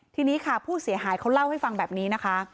ทีนี้ค่ะผู้เสียหายเขาเล่าให้ฟังแบบนี้นะคะ